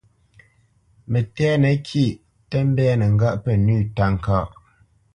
Mətɛ̂nə kîʼ tə mbɛ̂nə́ ŋgâʼ pə́ nʉ̂ táka.